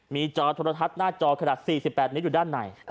มีจอโทรทัศน์หน้าจอขนาด๔๘นิ้วอยู่ด้านใน